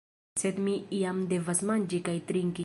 Sed mi iam devas manĝi kaj trinki.